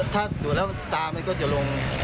ถ้าดูดแล้วตามันก็จะลง